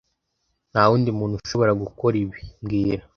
Nta wundi muntu ushobora gukora ibi mbwira